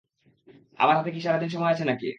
আমার হাতে কি সারা দিন সময় আছে নাকি?